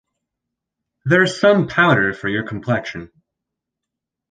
There's some powder for your complexion.